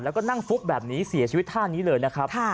แล้วก็นั่งฟุบแบบนี้เสียชีวิตท่านี้เลยนะครับ